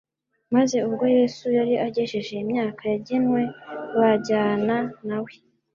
maze ubwo Yesu yari agejeje imyaka yagenwe, bajyana nawe.